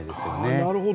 なるほど。